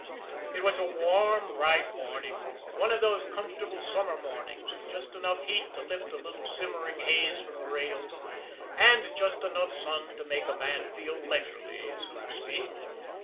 It was a warm, bright morning; one of those comfortable summer mornings with just enough heat to lift a little simmering haze from the rails, and just enough sun to make a man feel leisurely, so to speak.